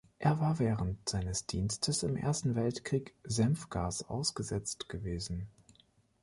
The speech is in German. Er war während seines Dienstes im Ersten Weltkrieg Senfgas ausgesetzt gewesen.